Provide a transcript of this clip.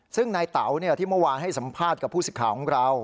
ซึ่งนายเต๋าที่เมื่อวานให้สัมภาษณ์กับผู้สิทธิ์ข่าวของเรา